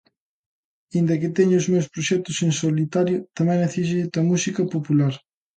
Aínda que teño os meus proxectos en solitario, tamén necesito a música popular.